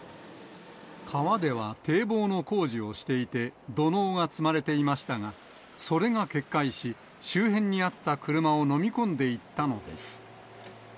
川では堤防の工事をしていて、土のうが積まれていましたが、それが決壊し、周辺にあった車を飲み込んでいったのです。